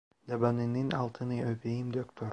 Dabanının altını öpeyim doktor…